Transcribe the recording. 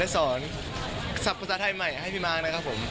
สับภาษาไทยใหม่ให้พี่มาร์คนะครับ